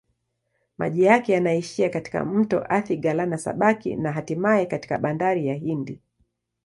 Maji yake yanaishia katika mto Athi-Galana-Sabaki na hatimaye katika Bahari ya Hindi.